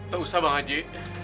tak usah bang haji